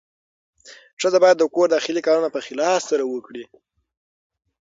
ښځه باید د کور داخلي کارونه په اخلاص سره وکړي.